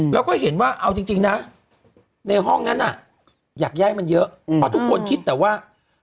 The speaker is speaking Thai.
แล้วก็เห็นว่าเอาจริงนะในห้องนั้นน่ะอยากย้ายมันเยอะเพราะทุกคนคิดแต่ว่า